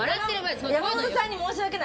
山本さんに申し訳ない。